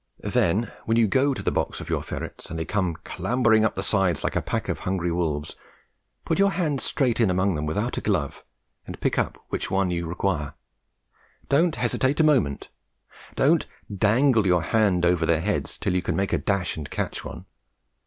Then when you go to the box for your ferrets, and they come clambering up the side like a pack of hungry wolves, put your hand straight in among them without a glove, and pick up which one you require. Don't hesitate a moment. Don't dangle your hand over their heads till you can make a dash and catch one.